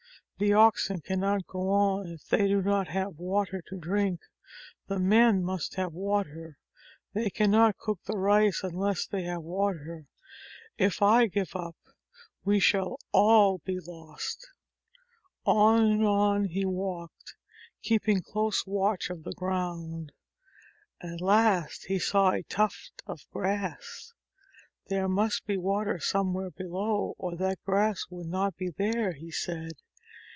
The oxen can not go on if they do not have water to drink. The men must have water. They cannot cook the rice unless they have water. If I give up, we shall all be lost!" "There must be water somewhere below." On and on he walked, keeping close watch of the ground. At last he saw a tuft of grass. "There must be water somewhere below, or that grass would not be there," he said.